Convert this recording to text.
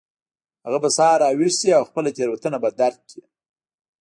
هغه به سبا راویښ شي او خپله تیروتنه به درک کړي